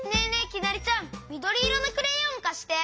きなりちゃんみどりいろのクレヨンかして！